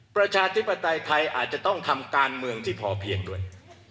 ประชาธิปไตยไทยอาจจะต้องทำการเมืองที่พอเพียงด้วย